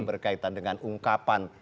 berkaitan dengan ungkapan